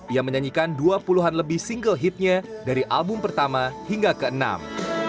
ia menyanyikan dua puluh an lebih single hitnya dari album pertama hingga ke enam